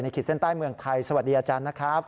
ขีดเส้นใต้เมืองไทยสวัสดีอาจารย์นะครับ